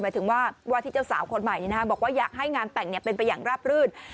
หมายถึงว่าว่าที่เจ้าสาวคนใหม่บอกว่าอยากให้งานแต่งเป็นไปอย่างราบรื่น